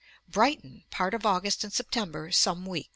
Brighton, part of August and September; some weeks.